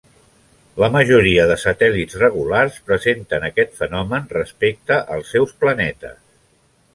La majoria de satèl·lits regulars presenten aquest fenomen respecte als seus planetes.